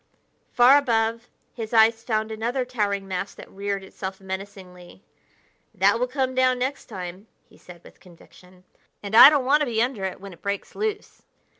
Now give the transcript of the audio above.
Far above, his eyes found another towering mass that reared itself menacingly. "That will come down next time," he said with conviction, "and I don't want to be under it when it breaks loose."